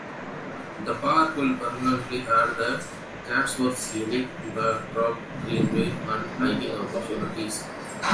The park will permanently add to Chatsworth's scenic backdrop, greenway, and hiking opportunities.